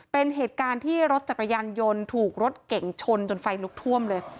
เป็นเหตุการณ์ที่รถจักรยานยนต์ถูกรถเก่งชนจนไฟลุกท่วมเลย